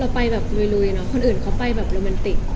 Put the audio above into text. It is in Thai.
เราไปแบบลุยคนอื่นเขาไปแบบโรแมนติก